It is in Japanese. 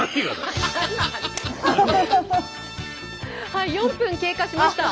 はい４分経過しました。